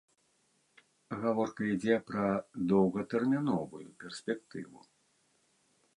Гаворка ідзе пра доўгатэрміновую перспектыву.